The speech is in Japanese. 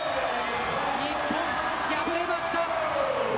日本、敗れました！